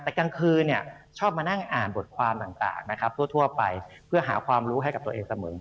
แต่กลางคืนชอบมานั่งอ่านบทความต่างนะครับทั่วไปเพื่อหาความรู้ให้กับตัวเองเสมอ